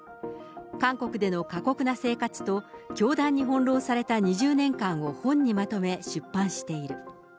韓国での過酷な生活と教団に翻弄された２０年間を本にまとめ、出版している。